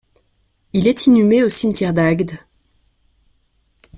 Il est inhumé au cimetière d'Agde.